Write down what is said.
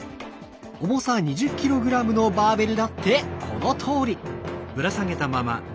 重さ２０ｋｇのバーベルだってこのとおり。